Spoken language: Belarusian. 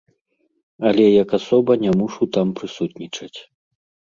Але як асоба не мушу там прысутнічаць.